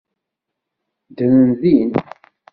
Ddren din.